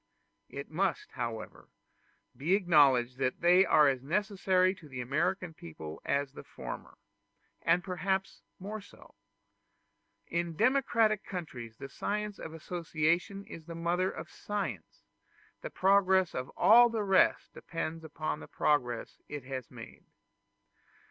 It must, however, be acknowledged that they are as necessary to the American people as the former, and perhaps more so. In democratic countries the science of association is the mother of science; the progress of all the rest depends upon the progress it has made.